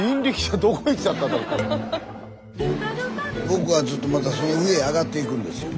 僕はずっとまたその上へ上がっていくんですよ。